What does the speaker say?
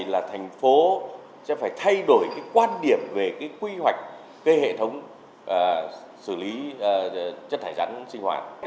là thành phố sẽ phải thay đổi cái quan điểm về cái quy hoạch cái hệ thống xử lý chất thải rắn sinh hoạt